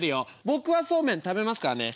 僕はそうめん食べますからね。